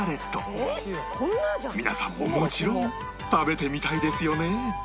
皆さんももちろん食べてみたいですよね